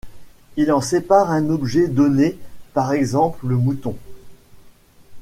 Il en sépare un objet donné, par exemple le mouton.